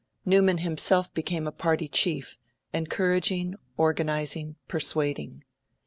Newman himself became a party chief encouraging, organising, persuading.